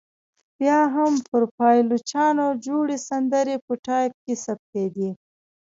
بیا هم پر پایلوچانو جوړې سندرې په ټایپ کې ثبتېدې.